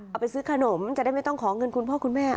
เอาไปซื้อขนมจะได้ไม่ต้องขอเงินคุณพ่อคุณแม่